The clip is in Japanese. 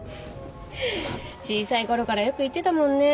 フッ小さいころからよく言ってたもんね。